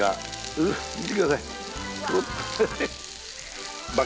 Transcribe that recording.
うぅ見てください。